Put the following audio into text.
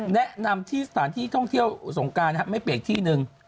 แนะนำที่สถานที่ท่องเที่ยวสงการนะครับไม่เปียกที่หนึ่ง